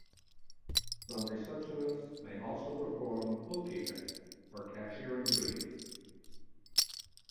Some receptionists may also perform bookkeeping or cashiering duties.